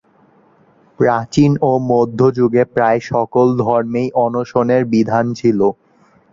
প্রাচীন ও মধ্যযুগে প্রায় সকল ধর্মেই অনশনের বিধান ছিল।